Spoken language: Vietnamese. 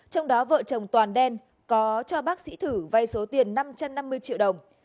trong đó vợ chồng toàn đen có cho bác sĩ thử vay số tiền năm trăm năm mươi triệu đồng